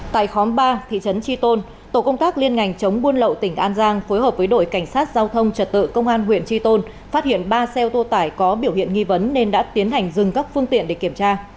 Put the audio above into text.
tại khóm ba thị trấn tri tôn tổ công tác liên ngành chống buôn lậu tỉnh an giang phối hợp với đội cảnh sát giao thông trật tự công an huyện tri tôn phát hiện ba xe ô tô tải có biểu hiện nghi vấn nên đã tiến hành dừng các phương tiện để kiểm tra